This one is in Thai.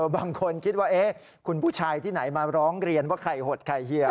บางคนคิดว่าคุณผู้ชายที่ไหนมาร้องเรียนว่าไข่หดไข่เฮีย